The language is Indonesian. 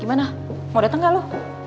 gimana mau dateng gak lo